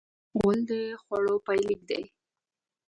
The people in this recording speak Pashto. غول د خوړو پای لیک دی.